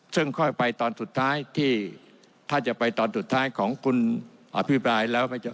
ซึ่งค่อยไปตอนสุดท้ายที่ถ้าจะไปตอนสุดท้ายของคุณอภิปรายแล้ว